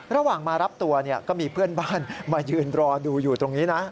ระหว่างมารับตัวก็มีเพื่อนบ้านมายืนรอดูอยู่ตรงนี้นะ